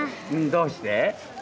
どうして？